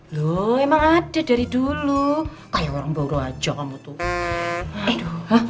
loh emang ada dari dulu kayak orang baru aja kamu tuh